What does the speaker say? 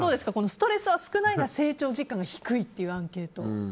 ストレスは少ないが成長実感は少ないというアンケート。